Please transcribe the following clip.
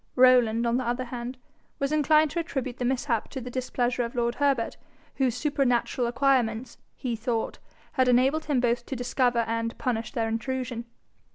Rowland on the other hand was inclined to attribute the mishap to the displeasure of lord Herbert, whose supernatural acquirements, he thought, had enabled him both to discover and punish their intrusion.